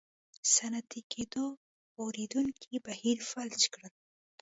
صنعتي کېدو غوړېدونکی بهیر فلج کړل.